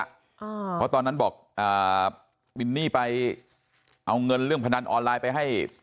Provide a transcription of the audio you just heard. เพราะตอนนั้นบอกอ่ามินนี่ไปเอาเงินเรื่องพนันออนไลน์ไปให้